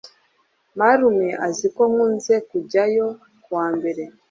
Marume azi ko nkunze kujyayo kuwa mbere.